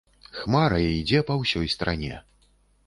Хмарай ідзе па ўсёй старане.